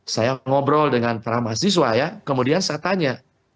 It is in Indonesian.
saya ngobrol dengan para mahasiswa ya kemudian saya tanya